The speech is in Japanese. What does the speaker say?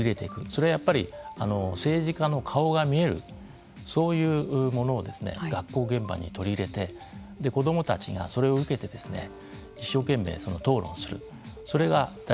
それはやっぱり政治家の顔が見えるそういうものを学校現場に取り入れて子どもたちがそれを受けて一生懸命討論する。